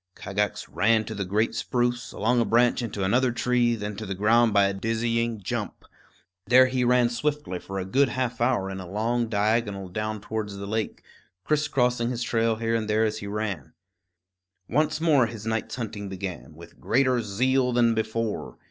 Kagax ran to the great spruce, along a branch into another tree; then to the ground by a dizzy jump. There he ran swiftly for a good half hour in a long diagonal down towards the lake, crisscrossing his trail here and there as he ran. Once more his night's hunting began, with greater zeal than before.